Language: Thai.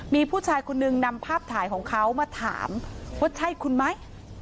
มีผู้ชายคนนึงนำภาพถ่ายของเขามาถามว่าใช่คุณไหม